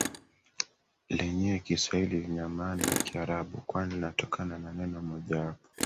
lenyewe Kiswahili lina maana ya Kiarabu Kwani linatokana na neno moja wapo